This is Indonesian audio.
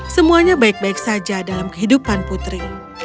semuanya baik baik saja dalam kehidupan putri